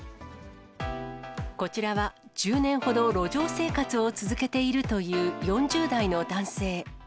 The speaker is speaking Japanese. こちらは、１０年ほど路上生活を続けているという４０代の男性。